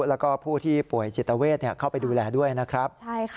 แล้วก็ผู้ที่ป่วยจิตเวทเข้าไปดูแลด้วยนะครับ